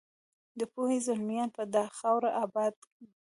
د پوهې زلمیان به دا خاوره اباده کړي.